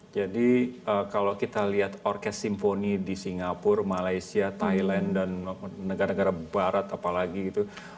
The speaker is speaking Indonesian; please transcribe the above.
jadi kalau kita lihat orkest simfoni di singapura malaysia thailand dan negara negara barat apalagi gitu